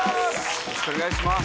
よろしくお願いします